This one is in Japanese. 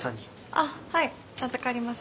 あはい預かります。